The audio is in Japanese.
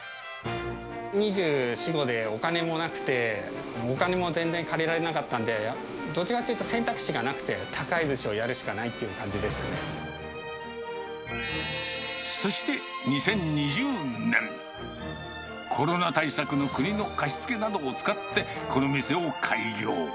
２４、５でお金もなくて、お金も全然借りられなかったんで、どっちかというと選択肢がなくて、宅配ずしをやるしかないっていうそして２０２０年、コロナ対策の国の貸し付けなどを使って、この店を開業。